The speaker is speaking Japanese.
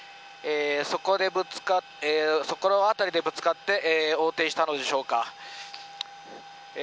そこの辺りでぶつかって横転したのでしょうか。